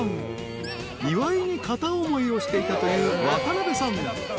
［岩井に片思いをしていたという渡部さん］